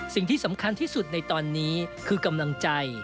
สิ่งที่สำคัญที่สุดในตอนนี้คือกำลังใจ